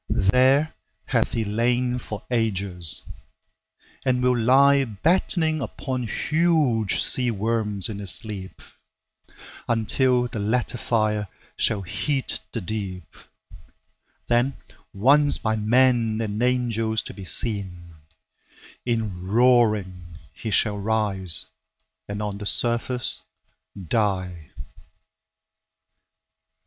There hath he lain for ages, and will lie Battening upon huge sea worms in his sleep, Until the latter fire shall heat the deep; Then once by man and angels to be seen, In roaring he shall rise and on the surface die.